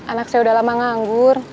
anak saya udah lama nganggur